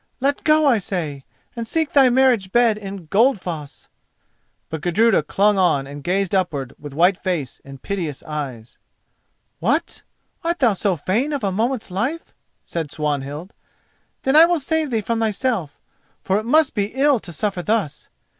Let go, I say, and seek thy marriage bed in Goldfoss!" But Gudruda clung on and gazed upwards with white face and piteous eyes. "What! art thou so fain of a moment's life?" said Swanhild. "Then I will save thee from thyself, for it must be ill to suffer thus!"